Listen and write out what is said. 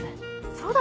そうだ。